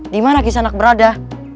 dimana kisanak berada